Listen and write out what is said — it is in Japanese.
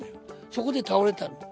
そこで倒れたの。